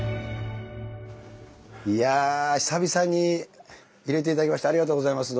いやあ久々に入れていただきましてありがとうございます。